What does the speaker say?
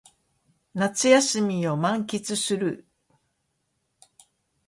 夏休みを満喫する